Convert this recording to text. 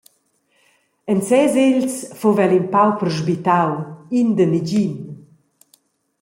En ses egls fuva el in pauper sbittau, in da negin.